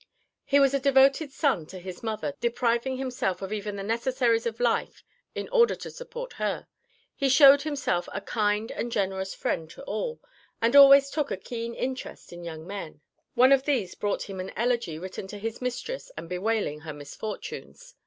He was a devoted son to his mother, depriving himself of even the necessaries of life in order to support her. He showed himself a kind and generous friend to all, and always took a keen interest in young men. One of these brought him an elegy written to his mistress and bewailing her misfortunes.